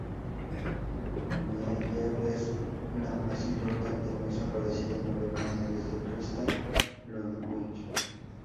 Meier es la más importante mezzo aparecida en Alemania desde Christa Ludwig.